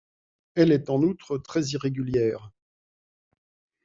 Elle est en outre très irrégulière.